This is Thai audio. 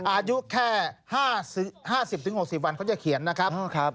อายุแค่๕๐๖๐วันเขาจะเขียนนะครับ